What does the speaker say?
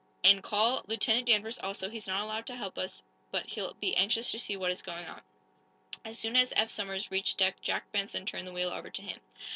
And call Lieutenant Danvers, also. He's not allowed to help us, but he'll be anxious to see what is going on." As soon as Eph Somers reached deck Jack Benson turned the wheel over to him.